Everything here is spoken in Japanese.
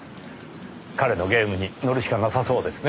彼のゲームに乗るしかなさそうですね。